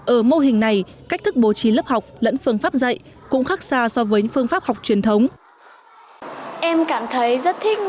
ở mô hình này cách thức bố trí lớp học lẫn phương pháp dạy cũng khác xa so với phương pháp học truyền thống